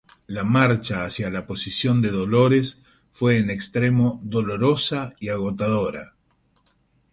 La marcha hacia la posición de Dolores fue en extremo dolorosa y agotadora.